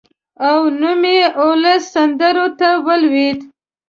او نوم یې اولسي سندرو ته ولوېد.